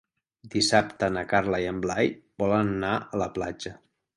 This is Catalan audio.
Dissabte na Carla i en Blai volen anar a la platja.